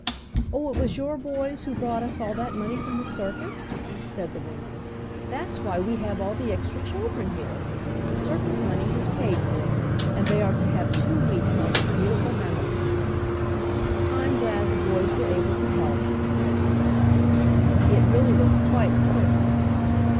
"Oh, it was your boys who brought us all that money from the circus?" said the woman. "That's why we have all the extra children here the circus money has paid for them, and they are to have two weeks on this beautiful mountain." "I'm glad the boys were able to help," said Mrs. Bobbsey. "It really was quite a circus."